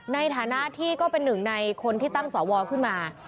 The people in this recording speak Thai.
ในฐานะที่ก็เป็นหนึ่งในคนที่ตั้งสวขึ้นมา